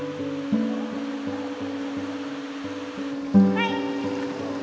はい！